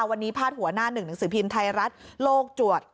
วันนี้พาดหัวหน้าหนึ่งหนังสือพิมพ์ไทยรัฐโลกจวด